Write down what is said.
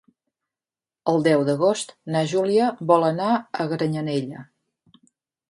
El deu d'agost na Júlia vol anar a Granyanella.